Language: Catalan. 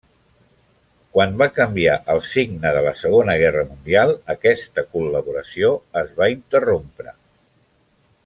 Quan va canviar el signe de la Segona Guerra Mundial aquesta col·laboració es va interrompre.